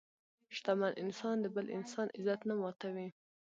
شتمن انسان د بل انسان عزت نه ماتوي.